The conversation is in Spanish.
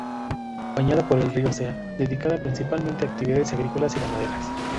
Bañada por el río Cea, dedicada principalmente a actividades agrícolas y ganaderas.